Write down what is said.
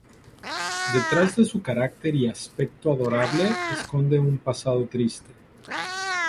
Detrás de su carácter y aspecto adorable esconde un pasado triste.